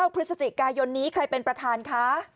พฤศจิกายนนี้ใครเป็นประธานคะ